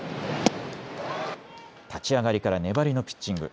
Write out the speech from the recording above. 立ち上がりから粘りのピッチング。